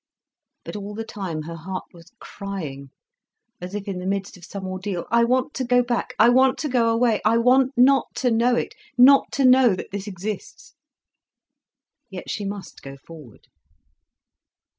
But all the time her heart was crying, as if in the midst of some ordeal: "I want to go back, I want to go away, I want not to know it, not to know that this exists." Yet she must go forward.